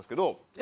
え？